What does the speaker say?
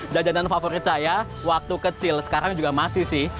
jajanan favorit saya waktu kecil sekarang juga masih sih